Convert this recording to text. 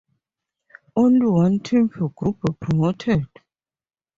Only one team per group were promoted.